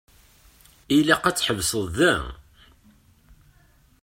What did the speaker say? Ilaq ad tḥebseḍ da.